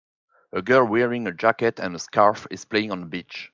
A girl wearing a jacket and scarf is playing on the beach.